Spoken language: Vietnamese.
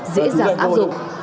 dễ dàng áp dụng